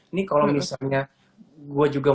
ini kalau misalnya gue juga